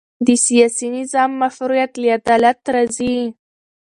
د سیاسي نظام مشروعیت له عدالت راځي